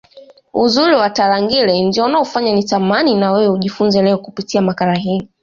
Uzuri wa Tarangire ndio unaofanya nitamani na wewe ujifunze leo kupitia makala hii